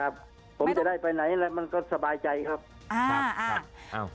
ผมจะได้ไปไหนมันก็สบายใจครับ